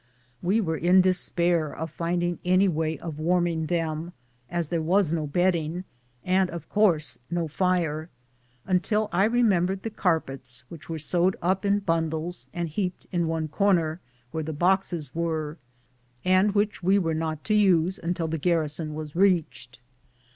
We were in despair of finding any way of warming them, as there was no bedding, and, of course, no fire, until I remembered the carpets which were sewed up in bun dles and heaped* in one corner, where the boxes were, and which we were not to use until the garrison was reached.